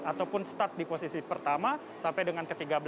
ataupun start di posisi pertama sampai dengan ke tiga belas